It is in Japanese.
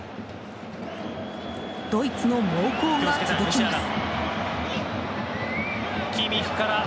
ドイツの猛攻が続きます。